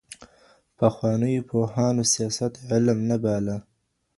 پخوانيو پوهانو سياست علم نه باله.